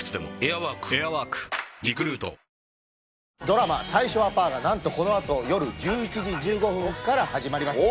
ドラマ『最初はパー』がなんとこのあとよる１１時１５分から始まります。